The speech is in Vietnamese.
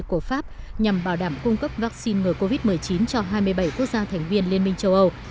của pháp nhằm bảo đảm cung cấp vaccine ngừa covid một mươi chín cho hai mươi bảy quốc gia thành viên liên minh châu âu